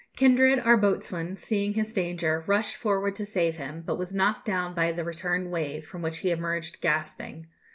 Kindred, our boatswain, seeing his danger, rushed forward to save him, but was knocked down by the return wave, from which he emerged gasping.